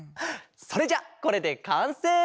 それじゃこれでかんせい！